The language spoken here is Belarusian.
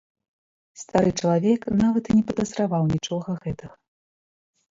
Стары чалавек нават і не падазраваў нічога гэтага.